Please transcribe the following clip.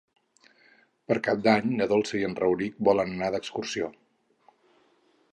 Per Cap d'Any na Dolça i en Rauric volen anar d'excursió.